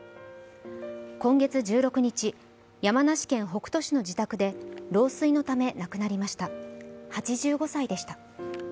今月１６日、山梨県北杜市の自宅で老衰のため亡くなりました８５歳でした。